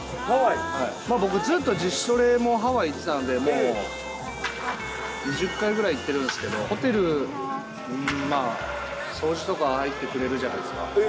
僕ずっと自主トレもハワイ行ってたんで、もう、２０回ぐらい行ってるんですけど、ホテル、掃除とか入ってくれるじゃないですか。